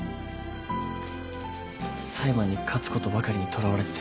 裁判に勝つことばかりにとらわれてて。